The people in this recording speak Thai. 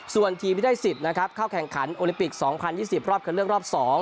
ส่วนทีมที่ได้สิทธิ์นะครับเข้าแข่งขันโอลิปิก๒๐๒๐รอบคันเลือกรอบ๒